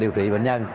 điều trị bệnh nhân